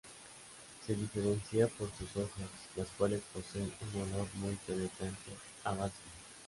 Se diferencia por sus hojas, las cuales poseen un olor muy penetrante a bálsamo.